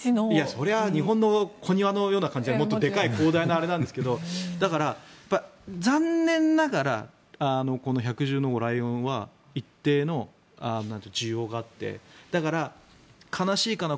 それは日本の小庭のような形のそういうのではなくもっとでかい広大なあれですけどだから、残念ながらこの百獣の王、ライオンは一定の需要があってだから、悲しいかな